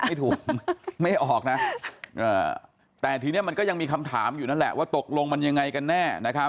ไม่ถูกไม่ออกนะแต่ทีนี้มันก็ยังมีคำถามอยู่นั่นแหละว่าตกลงมันยังไงกันแน่นะครับ